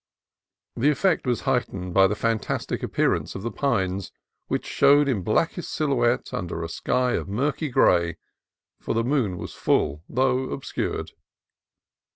The effect was heightened by the fan tastic appearance of the pines, which showed in blackest silhouette against a sky of murky gray (for the moon was full, though obscured).